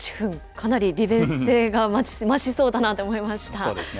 かなり利便性が増しそうだなと思いました。